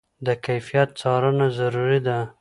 د کیفیت څارنه ضروري ده.